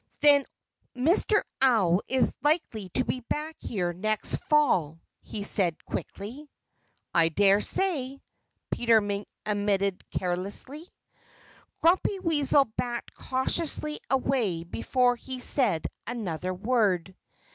"Then Mr. Owl is likely to be back here next fall," he said quickly. "I dare say," Peter Mink admitted carelessly. Grumpy Weasel backed cautiously away before he said another word.